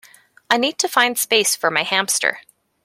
I need to find space for my hamster